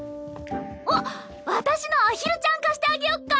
あっ私のアヒルちゃん貸してあげよっか。